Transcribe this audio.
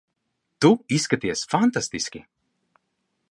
Tu izskaties fantastiski.